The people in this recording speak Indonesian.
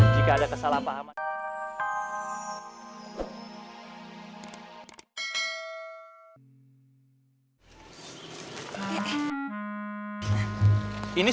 jika ada kesalahpahaman